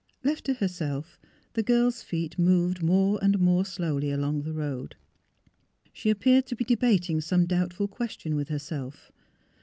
Left to herself, the girl's feet moved more and more slowly along the road. She appeared to be debating some doubtful question with herself.